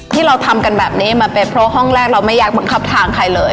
ที่เราทำกันแบบนี้มาเป็นเพราะห้องแรกเราไม่อยากบังคับทางใครเลย